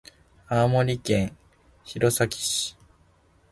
青森県弘前市